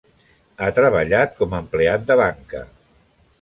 Ha treballat com a empleat de banca.